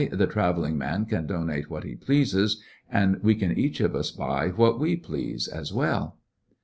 "The travelling man can donate what he pleases, and we can each of ns buy what we please, as well."